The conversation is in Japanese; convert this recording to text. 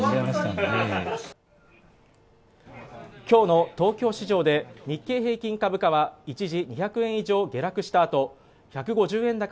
きょうの東京市場で日経平均株価は一時２００円以上下落したあと１５０円